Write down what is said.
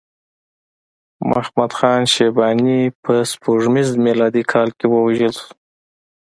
محمد خان شیباني په سپوږمیز میلادي کال کې ووژل شو.